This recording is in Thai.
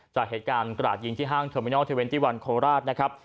จากเหตุการณ์กระดาษยิงที่ห้างเทอร์มินอลเทอร์เวนตี้วันโคราชนะครับ